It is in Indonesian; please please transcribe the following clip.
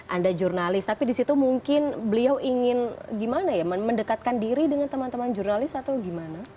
anda jurnalis tapi disitu mungkin beliau ingin gimana ya mendekatkan diri dengan teman teman jurnalis atau gimana